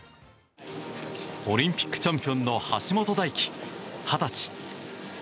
オリンピックチャンピオンの橋本大輝、二十歳。